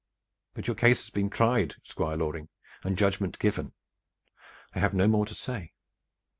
But your case hath been tried, Squire Loring, and judgment given. I have no more to say."